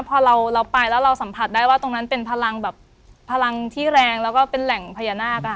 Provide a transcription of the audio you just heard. พอเราไปแล้วเราสัมผัสได้ว่าตรงนั้นเป็นพลังแบบพลังที่แรงแล้วก็เป็นแหล่งพญานาค